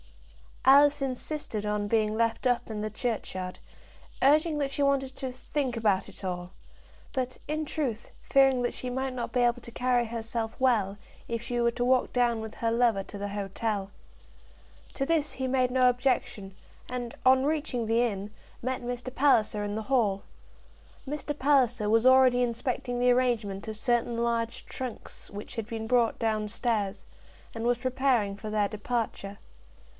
Alice insisted on being left up in the churchyard, urging that she wanted to "think about it all," but, in truth, fearing that she might not be able to carry herself well, if she were to walk down with her lover to the hotel. To this he made no objection, and, on reaching the inn, met Mr. Palliser in the hall. Mr. Palliser was already inspecting the arrangement of certain large trunks which had been brought down stairs, and was preparing for their departure.